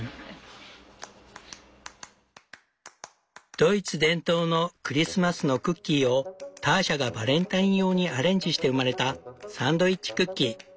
ドイツ伝統のクリスマスのクッキーをターシャがバレンタイン用にアレンジして生まれた「サンドイッチクッキー」。